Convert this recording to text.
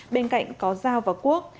bên cạnh có giao và quốc